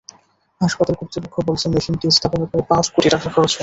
হাসপাতাল কর্তৃপক্ষ বলছে, মেশিনটি স্থাপনে প্রায় পাঁচ কোটি টাকা খরচ হবে।